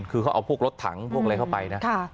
คือเขาเอาพวกรถถังพวกอะไรเข้าไปนะ